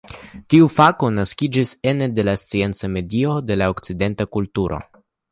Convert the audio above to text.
Tiu fako naskiĝis ene de la scienca medio de la okcidenta kulturo.